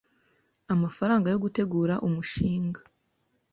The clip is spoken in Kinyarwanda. amafaranga yo gutegura umushinga,